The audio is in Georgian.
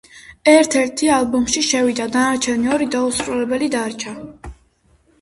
ერთ-ერთი ალბომში შევიდა, დანარჩენი ორი დაუსრულებელი დარჩა.